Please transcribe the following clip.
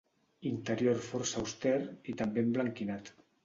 Interior força auster i també emblanquinat.